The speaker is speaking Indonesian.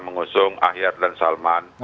mengusung ahyar dan salman